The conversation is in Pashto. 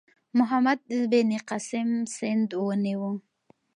محمد بن قاسم سند ونیو.